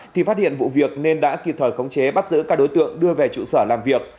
thì phát hiện vụ việc nên đã kịp thời khống chế bắt giữ các đối tượng đưa về trụ sở làm việc